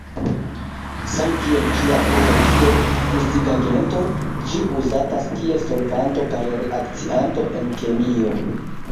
Samkiel ĝia uzo kiel gustigagento, ĝi uzatas kiel solvanto kaj reakcianto en kemio.